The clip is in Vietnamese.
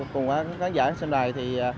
cùng với các khán giả xem đài